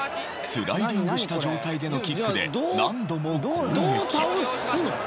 スライディングした状態でのキックで何度も攻撃。